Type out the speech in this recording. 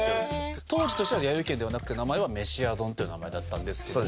当時としてはやよい軒ではなくて名前はめしや丼っていう名前だったんですけども。